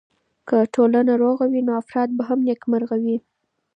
که ټولنه روغه وي نو افراد به هم نېکمرغه وي.